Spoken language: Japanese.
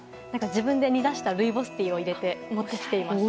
自分で煮出したルイボスティーを持ってきています。